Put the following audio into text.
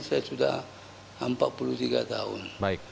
saya sudah empat puluh tiga tahun